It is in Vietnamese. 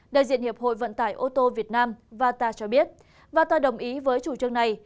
đại diện hiệp hội vận tải ô tô việt nam vata cho biết và tôi đồng ý với chủ trương này